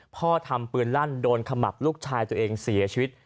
พ่อทำปืนลั่นโดนขมับลูกชายตัวเองเสียชีวิต